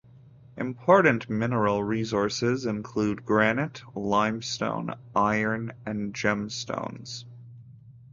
Important mineral resources include granite, limestone, iron, and gemstones.